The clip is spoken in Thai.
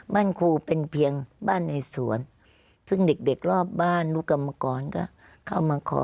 บ้านครูเป็นเพียงบ้านในสวนซึ่งเด็กเด็กรอบบ้านลูกกรรมกรก็เข้ามาขอ